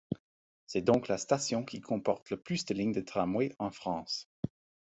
C'est donc la station qui comporte le plus de lignes de tramway en France.